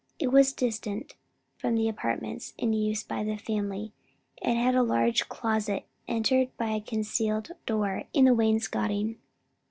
It was distant from the apartments in use by the family, and had a large closet entered by a concealed door in the wainscoting.